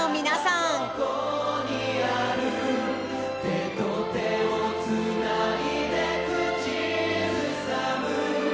「手と手をつないで口ずさむ」